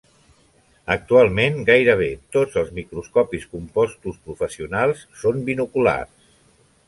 Actualment, gairebé tots els microscopis compostos professionals són binoculars.